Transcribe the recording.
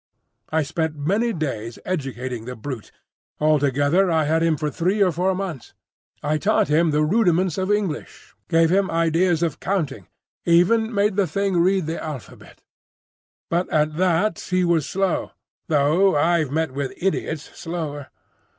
I spent many days educating the brute,—altogether I had him for three or four months. I taught him the rudiments of English; gave him ideas of counting; even made the thing read the alphabet. But at that he was slow, though I've met with idiots slower.